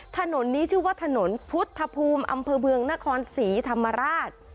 ถนนนี้ชื่อว่าถนนพุทธภูมิอำเภอเมืองนครศรีธรรมราช